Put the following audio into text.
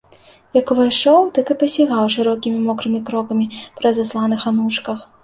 Як увайшоў, так і пасігаў шырокімі мокрымі крокамі па разасланых анучках.